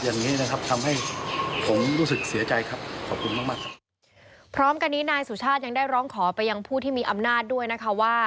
อย่านำตัวเขาไปเชื่อมโยงกับเหตุความไม่สงบ